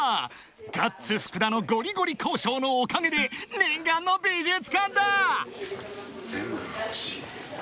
［ガッツ福田のごりごり交渉のおかげで念願の美術館だ］